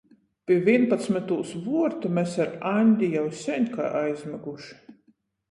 Pi vīnpadsmytūs vuortu mes ar Aņdi jau seņ kai aizmyguši.